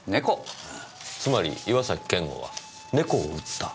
つまり岩崎健吾は猫を撃った？